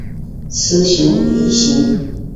雌雄异型。